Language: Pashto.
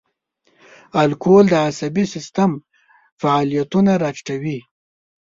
الکول د عصبي سیستم فعالیتونه را ټیټوي.